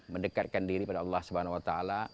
mendekatkan diri pada allah swt